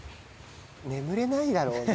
眠れないだろうな。